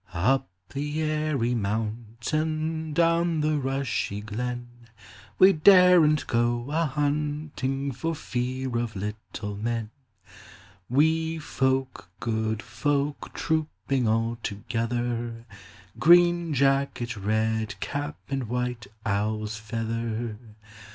Up the airy mountain, Down the rushy glen, We daren't go a hunting For fear of little men ; Wee folk, good folk, Trooping all together ; Green jacket, red cap, And white owl's feather